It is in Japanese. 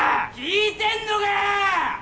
聞いてんのかよ！